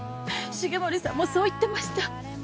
重森さんもそう言ってました。